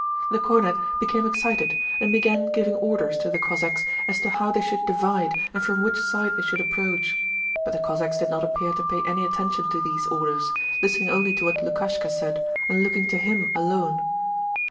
The cornet became excited, and began giving orders to the Cossacks as to how they should divide and from which side they should approach. But the Cossacks did not appear to pay any attention to these orders, listening only to what Lukashka said and looking to him alone.